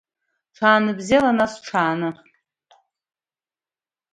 Ҽаанбзиала нас, ҽааны!